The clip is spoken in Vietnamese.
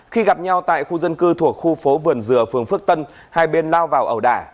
khi gặp nhau tại khu dân cư thuộc khu phố vườn dừa phường phước tân hai bên lao vào ẩu đả